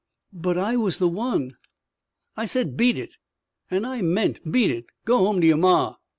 "But I was the one " "I said beat it. And I meant beat it. Go home to your ma."